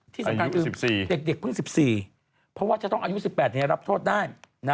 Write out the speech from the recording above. ที่สำคัญคือเด็กเพิ่ง๑๔เพราะว่าจะต้องอายุ๑๘รับโทษได้